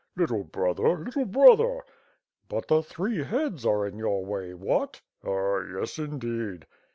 "Little brother, little brother!" ... "But the three heads are in your way. What?" "Ah. yes, indeed."